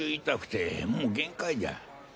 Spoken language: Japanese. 痛くてもう限界じゃ。